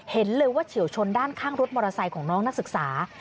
เห็นเลยว่าเฉียวชนด้านข้างรถมอเตอร์ไซค์ของน้องนักศึกษา